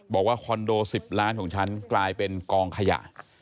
คอนโด๑๐ล้านของฉันกลายเป็นกองขยะ